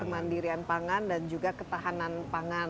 kemandirian pangan dan juga ketahanan pangan